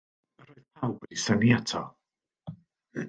Yr oedd pawb wedi synnu ato.